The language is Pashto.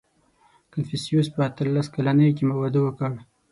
• کنفوسیوس په اتلس کلنۍ کې واده وکړ.